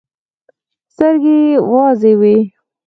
سترګې يې وازې وې.